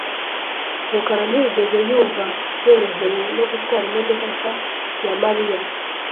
rukara ntiyigeze yumva yorohewe no gutwara imodoka nshya ya Mariya .